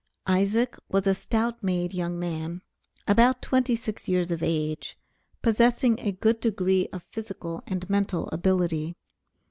Isaac was a stout made young man, about twenty six years of age, possessing a good degree of physical and mental ability.